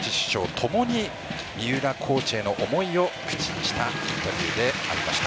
ともに三浦コーチへの思いを口にしたインタビューでした。